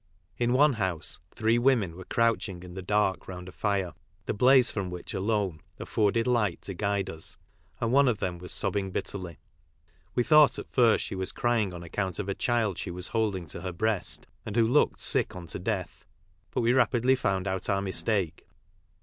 In one house three women were crouching in the dark round a lire, the blaze from which alone afforded light to guide us, and one of them was sobbing bitterly. We thought at first she was crying on account of a child she was holding to her breast, and who looked sick unto death ; but we rapidly found out our mistake.